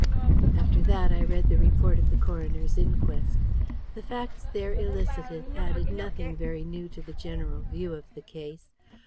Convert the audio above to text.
After that, I read the report of the coroner's inquest. The facts there elicited added nothing very new to the general view of the case.